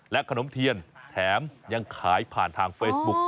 ขนมเทียนแถมยังขายผ่านทางเฟซบุ๊ก